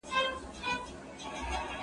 مېوې وچ کړه!!